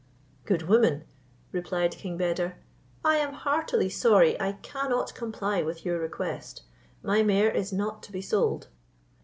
"Good woman," replied King Beder, "I am heartily sorry I cannot comply with your request: my mare is not to be sold."